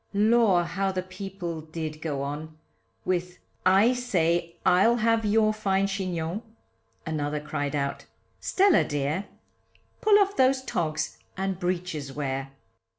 Lor! how the people did go on, With, I say I'll have your fine chignon, Another cried out, Stella dear, Pull off those togs, and breeches wear.